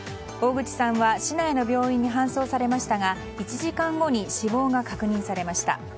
大口さんは市内の病院に搬送されましたが１時間後に死亡が確認されました。